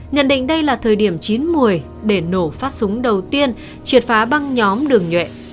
nhận định đây là thời điểm chín mùi để nổ phát súng đầu tiên triệt phá băng nhóm đường nhuệ